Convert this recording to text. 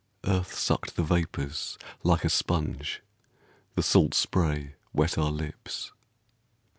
Earth sucked the vapors like a sponge, The salt spray wet our lips.